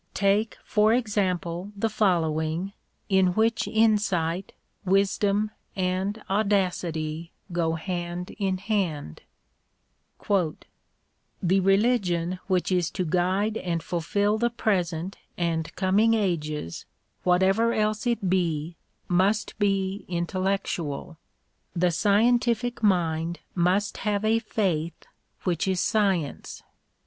Take, for example, the following, in which insight, wisdom, and audacity go hand in hand : The religion which is to guide and fulfil the present and coming ages, whatever else it be, must be intellectual. The scientific mind must have a faith which is science.